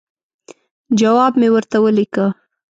جواب مې ورته ولیکه.